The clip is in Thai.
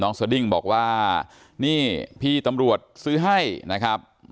สดิ้งบอกว่านี่พี่ตำรวจซื้อให้นะครับ